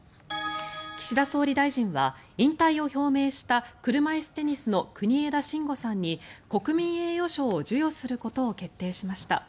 岸田総理大臣は引退を表明した車いすテニスの国枝慎吾さんに国民栄誉賞を授与することを決定しました。